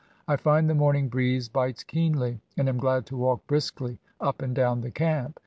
I find the morning breeze bites keenly, and am glad to walk briskly up and down the camp.